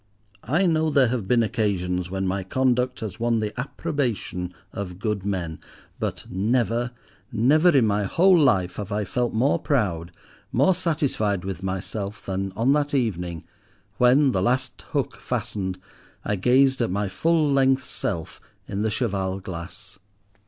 I know there have been occasions when my conduct has won the approbation of good men; but never—never in my whole life, have I felt more proud, more satisfied with myself than on that evening when, the last hook fastened, I gazed at my full length Self in the cheval glass.